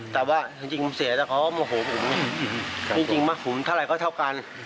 แต่ว่าจริงจริงผมเสียแต่เขาก็โมโหผมจริงจริงมาผมเท่าไรก็เท่ากัน